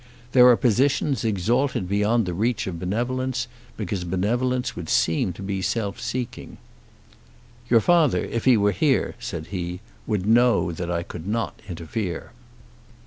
There are positions exalted beyond the reach of benevolence, because benevolence would seem to be self seeking. "Your father, if he were here," said he, "would know that I could not interfere."